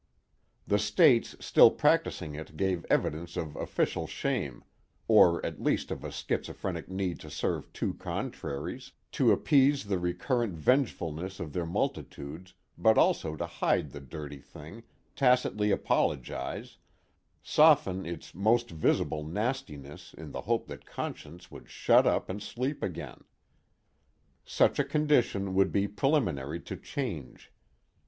The states still practicing it gave evidence of official shame, or at least of a schizophrenic need to serve two contraries, to appease the recurrent vengefulness of their multitudes but also to hide the dirty thing, tacitly apologize, soften its most visible nastiness in the hope that conscience would shut up and sleep again. Such a condition would be preliminary to change.